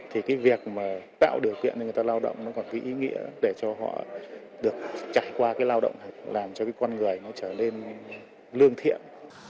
thì cái việc mà tạo điều kiện cho người ta lao động nó còn cái ý nghĩa để cho họ được trải qua cái lao động làm cho cái con người nó trở lên lương thiện